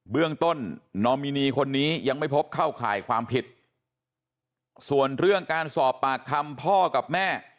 เรื่องต้นนอมินีคนนี้ยังไม่พบเข้าข่ายความผิดส่วนเรื่องการสอบปากคำพ่อกับแม่